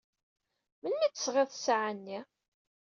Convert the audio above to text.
Melmi ay d-tesɣiḍ ssaɛa-nni?